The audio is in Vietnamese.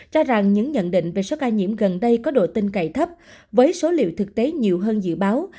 cho rằng những nhận định về số ca nhiễm gần đây có độ tin cậy thấp với số liệu thực tế nhiều hơn dự báo